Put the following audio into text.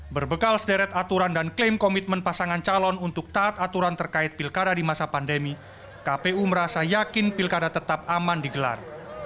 berbekal sederet aturan dan klaim komitmen pasangan calon untuk taat aturan terkait pilkada di masa pandemi kpu merasa yakin pilkada tetap aman digelar